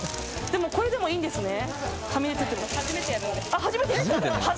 でもこれでもいいんですね。